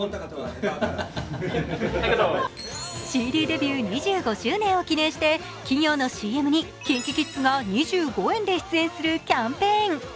ＣＤデビュー２５周年を記念して企業のＣＭにＫｉｎＫｉＫｉｄｓが２５円で出演するキャンペーン。